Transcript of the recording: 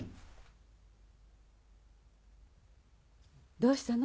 どうしたの？